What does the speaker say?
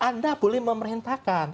anda boleh memerintahkan